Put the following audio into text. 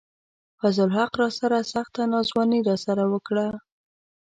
فضل الحق راسره سخته ناځواني راسره وڪړه